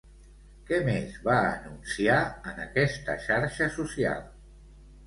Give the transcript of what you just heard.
Què més va anunciar en aquesta xarxa social?